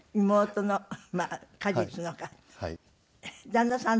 旦那さん